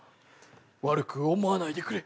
悪く思わないでくれ。